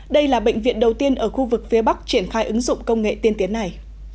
đây là bệnh viện đầu tiên ở khu vực phía bắc triển khai ứng dụng công nghệ tiên tiến này